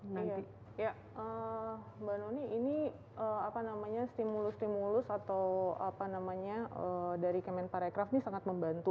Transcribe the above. mbak noni ini apa namanya stimulus stimulus atau apa namanya dari kemenparekraf ini sangat membantu